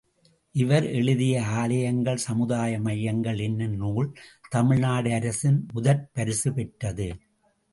● இவர் எழுதிய ஆலயங்கள் சமுதாய மையங்கள் என்னும் நூல் தமிழ்நாடு அரசின் முதற்பரிசு பெற்றது.